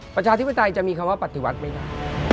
ประชาธิปไตยจะมีคำว่าปฏิวัติไม่ได้